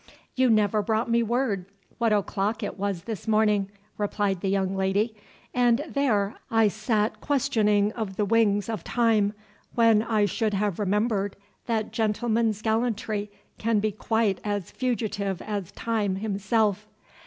"You never brought me word what o'clock it was this morning," replied the young lady, "and there I sate questioning of the wings of Time, when I should have remembered that gentlemen's gallantry can be quite as fugitive as Time himself.